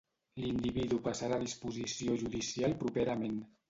L'individu passarà a disposició judicial properament.